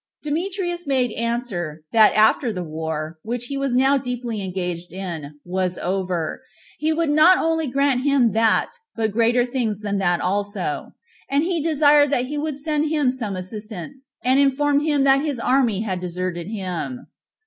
Demetrius made answer, that after the war, which he was now deeply engaged in, was over, he would not only grant him that, but greater things than that also; and he desired he would send him some assistance, and informed him that his army had deserted him.